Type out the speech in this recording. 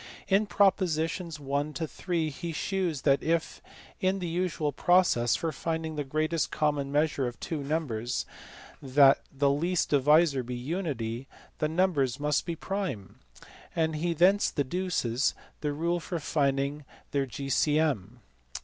In propo sitions 1 to 3 he shews that if, in the usual process for finding the greatest common, measure of two numbers, the last divisor be unity, the numbers must be prime; and he thence deduces the rule for finding their G.C.M.